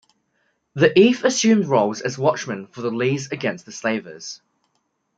The Efe assumed roles as watchmen for the Lese against the slavers.